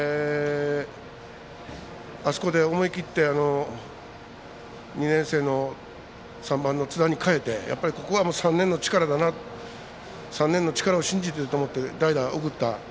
あそこで思い切って２年生の３番の津田に代えてここは３年の力を信じて代打を送った。